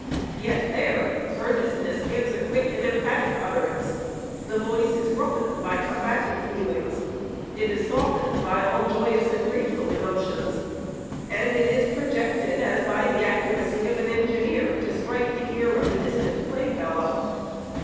Yet there, earnestness gives a quick and emphatic utterance ; the voice is rough ened by combative feelings ; it is softened by all joyous and grateful emotions, and it is projected, as by the accu racy of an engineer, to strike the ear of a distant play fellow.